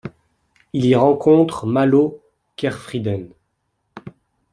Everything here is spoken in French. Il y rencontre Malo Kerfriden.